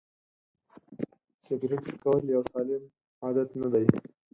سیګرېټ څکول یو سالم عادت نه دی.